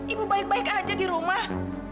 ibu baik baik aja di rumah